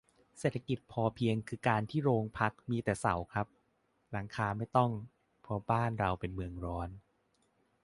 เศรษฐกิจพอเพียงคือการที่โรงพักมีแต่เสาครับ หลังคาไม่ต้อง เพราะบ้านเราเป็นเมืองร้อน